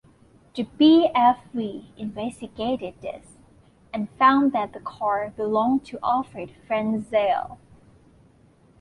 The BfV investigated this, and found that the car belonged to Alfred Frenzel.